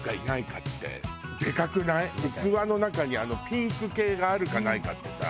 器の中にピンク系があるかないかってさ。